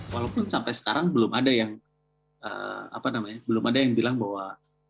walaupun sampai sekarang belum ada yang bilang bahwa